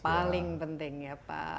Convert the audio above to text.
paling penting ya pak